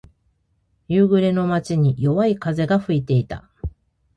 夕暮れの街に、弱い風が吹いていた。